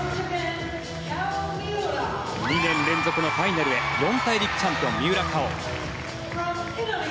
２年連続のファイナルへ四大陸チャンピオン、三浦佳生。